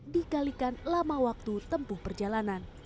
dikalikan lama waktu tempuh perjalanan